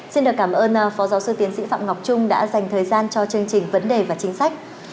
xin được cảm ơn phó giáo sư tiến sĩ phạm ngọc trung đã dành thời gian cho chương trình vấn đề và chính sách